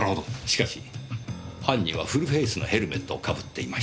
しかし犯人はフルフェースのヘルメットをかぶっていました。